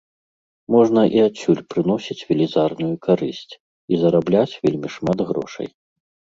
Можна і адсюль прыносіць велізарную карысць і зарабляць вельмі шмат грошай.